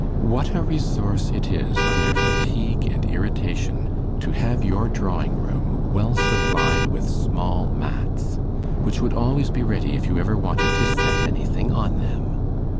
What a resource it is under fatigue and irritation to have your drawing room well supplied with small mats, which would always be ready if you ever wanted to set anything on them!